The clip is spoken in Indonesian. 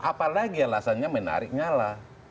apalagi alasannya menarik nyala